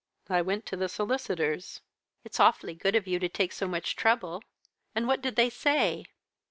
"I went to the solicitors." "It is awfully good of you to take so much trouble. And what did they say?"